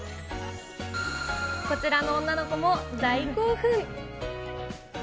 こちらの女の子も大興奮。